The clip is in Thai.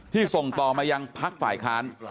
ส่งต่อมายังพักฝ่ายค้าน